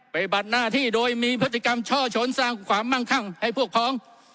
บัดหน้าที่โดยมีพฤติกรรมช่อชนสร้างความมั่งคั่งให้พวกพ้อง